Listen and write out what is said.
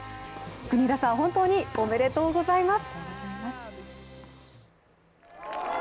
国枝さん、本当におめでとうございます。